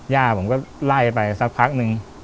ย่าผมก็ไล่ไปสักพักนึง